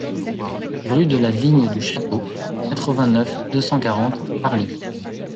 Rue de la Vigne du Château, quatre-vingt-neuf, deux cent quarante Parly